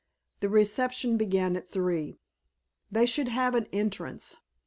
The reception began at three. They should have an entrance.